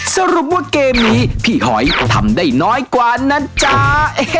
สรุปว่าเกมนี้พี่หอยทำได้น้อยกว่านะจ๊ะ